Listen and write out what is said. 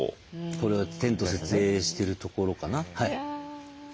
これはテント設営してるところかな。